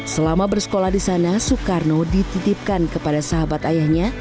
selama bersekolah di sana soekarno dititipkan kepada sahabat ayahnya